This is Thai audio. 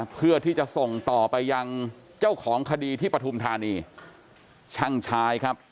เพื่อที่จะส่งต่อไปยังเจ้าของคดีที่ปฐุมธานีช่างชายครับ